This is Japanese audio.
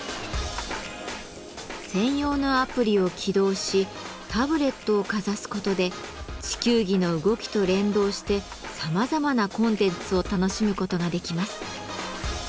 専用のアプリを起動しタブレットをかざすことで地球儀の動きと連動してさまざまなコンテンツを楽しむことができます。